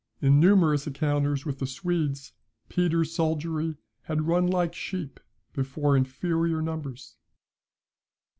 In numerous encounters with the Swedes, Peter's soldiery had run like sheep before inferior numbers.